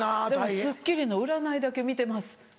『スッキリ』の占いだけ見てます。